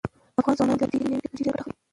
افغان ځوانان له دې نوې ټیکنالوژۍ ډیره ګټه اخلي.